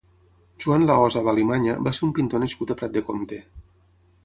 Joan Lahosa Valimanya va ser un pintor nascut a Prat de Comte.